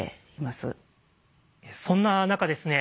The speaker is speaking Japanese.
そんな中ですね